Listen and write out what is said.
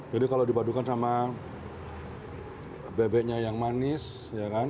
jadi kalau dibadukan sama bebeknya yang manis ya kan